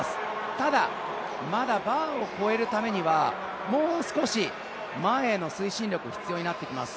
ただ、まだバーを越えるためにはもう少し前への推進力が必要になってきます。